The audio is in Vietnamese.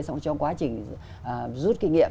xong trong quá trình rút kinh nghiệm